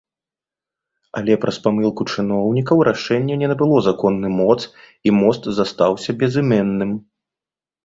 Але праз памылку чыноўнікаў рашэнне не набыло законны моц, і мост застаўся безыменным.